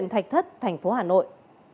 thạch thất tp hà nội